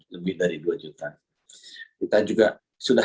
lebih dari dua juta kita juga sudah